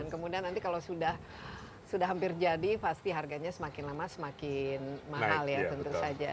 kemudian nanti kalau sudah hampir jadi pasti harganya semakin lama semakin mahal ya tentu saja